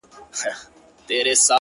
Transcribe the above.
• د زړگي غوښي مي د شپې خوراك وي ـ